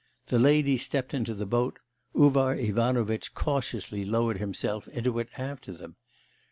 The ladies stepped into the boat; Uvar Ivanovitch cautiously lowered himself into it after them.